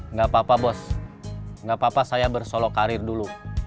nggak apa apa bos nggak apa apa saya bersolok karir dulu